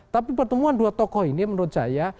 tapi pertemuan dua tokoh ini menurut saya